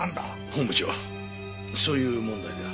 本部長そういう問題では。